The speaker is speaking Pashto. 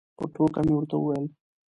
په ټوکه مې ورته وویل.